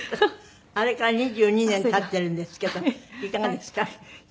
あれから２２年経っているんですけどいかがですか？